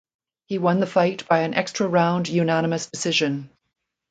He won the fight by an extra round unanimous decision.